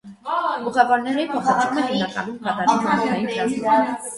Ուղևորների փոխադրումը հիմնականում կատարվում է օդային տրանսպորտով։